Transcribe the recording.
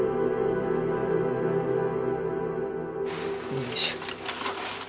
よいしょ。